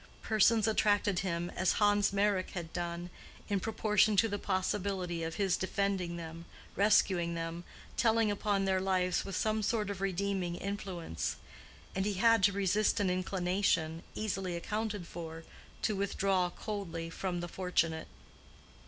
Persons attracted him, as Hans Meyrick had done, in proportion to the possibility of his defending them, rescuing them, telling upon their lives with some sort of redeeming influence; and he had to resist an inclination, easily accounted for, to withdraw coldly from the fortunate.